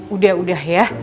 udah udah ya